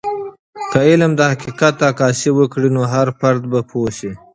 که علم د حقیقت عکاسي وکړي، نو هر فرد به پوه سي.